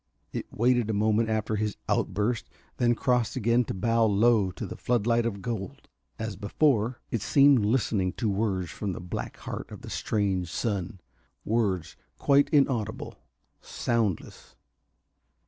It waited a moment after his outburst, then crossed again to bow low in the floodlight of gold. As before, it seemed listening to words from the black heart of the strange sun, words quite inaudible soundless.